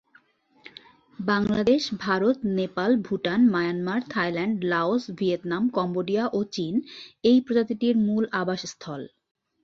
Bangladesh, Bharat, Nepal, Bhutan, Myanmar, Thailand, Laos, Vietnam, Cambodia, ও চীন এই প্রজাতিটির মূল আবাসস্থল।